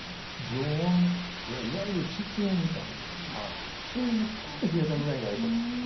常温いわゆる室温みたいなそれよりもちょっと冷えたぐらいがいいかなという。